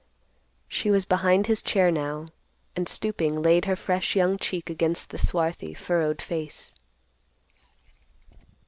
She was behind his chair now, and, stooping, laid her fresh young cheek against the swarthy, furrowed face.